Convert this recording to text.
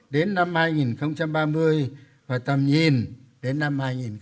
đến năm hai nghìn ba mươi và tầm nhìn đến năm hai nghìn bốn mươi năm